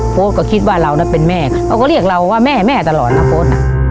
โพสต์ก็คิดว่าเราน่ะเป็นแม่เขาก็เรียกเราว่าแม่แม่ตลอดนะโพสต์น่ะ